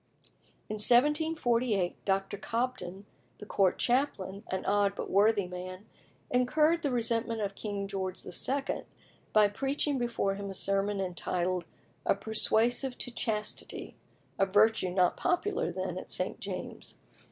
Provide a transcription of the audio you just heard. In 1748 Dr. Cobden, the Court chaplain, an odd but worthy man, incurred the resentment of King George II. by preaching before him a sermon entitled "A Persuasive to Chastity" a virtue not popular then at St. James's.